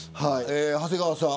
長谷川さん。